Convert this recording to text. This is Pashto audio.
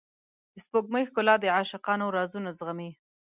د سپوږمۍ ښکلا د عاشقانو رازونه زغمي.